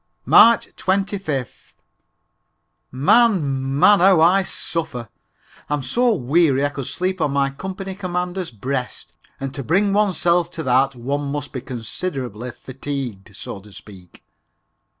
March 25th. Man! Man! How I suffer! I'm so weary I could sleep on my company commander's breast, and to bring oneself to that one must be considerably fatigued, so to speak.